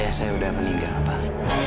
ayah saya sudah meninggal pak